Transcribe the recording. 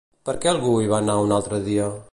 Per què algú hi va anar un altre dia?